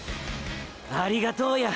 ありがとうや。